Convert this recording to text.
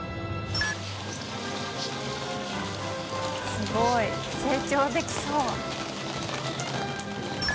すごい成長できそう。